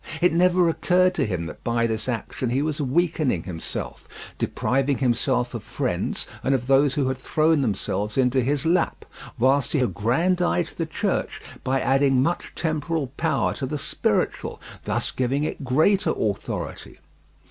It never occurred to him that by this action he was weakening himself, depriving himself of friends and of those who had thrown themselves into his lap, whilst he aggrandized the Church by adding much temporal power to the spiritual, thus giving it greater authority.